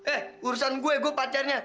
eh urusan gue gue pacarnya